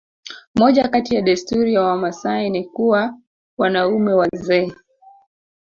moja kati ya desturi ya wamaasai ni kuwa wanaume wazee